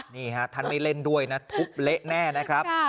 นี่ฮะท่านไม่เล่นด้วยนะทุบเละแน่นะครับ